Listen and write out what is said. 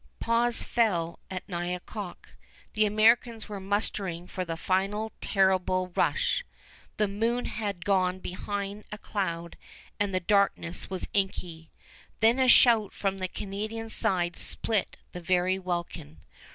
Pause fell at nine o'clock. The Americans were mustering for the final terrible rush. The moon had gone behind a cloud, and the darkness was inky. Then a shout from the Canadian side split the very welkin.